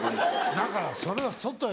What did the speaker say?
だからそれは外へ。